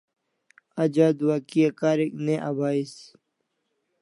Aj adua kia karik ne abahis